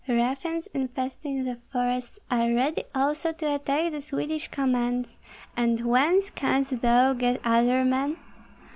Ruffians infesting the forests are ready also to attack the Swedish commands, and whence canst thou get other men?